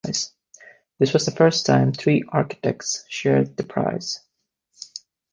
This was the first time three architects shared the prize.